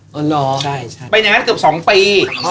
ไปในแม่งนั้นคือ๒ปี